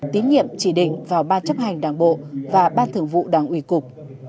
tín nhiệm chỉ định vào ban chấp hành đảng bộ và ban thường vụ đảng ủy cục